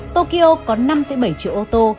tokyo có năm bảy triệu ô tô